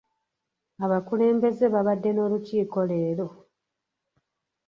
Abakulembeze babadde n'olukiiko leero.